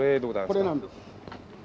これなんです。